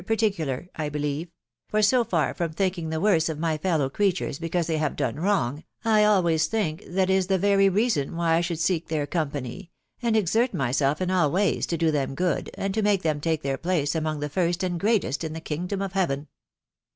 particular, I believe ; for so far from thinking the worse of my fellow creatures because they have done wrong, I always think that is the very reason why I should seek their company, and exert myself in all ways to do them good, and to make them take their place among the first andgreatestin the kingdom of heaven.